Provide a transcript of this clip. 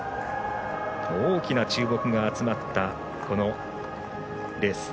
大きな注目が集まったこのレース。